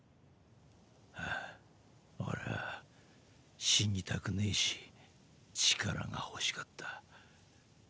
あぁ俺は死にたくねぇし力が欲しかった。